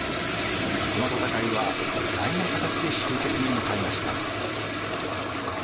この戦いは意外な形で終結に向かいました。